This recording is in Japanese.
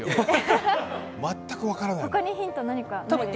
全く分からないもん。